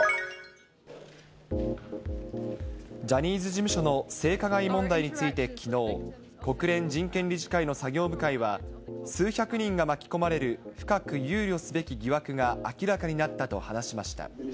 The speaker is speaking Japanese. ジャニーズ事務所の性加害問題についてきのう、国連人権理事会の作業部会は、数百人が巻き込まれる深く憂慮すべき疑惑が明らかになったと話しました。